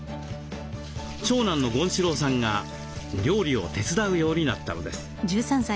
長男の権志朗さんが料理を手伝うようになったのです。